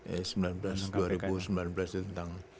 dua ribu sembilan belas itu tentang